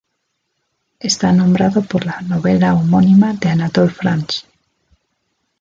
Está nombrado por la novela homónima de Anatole France.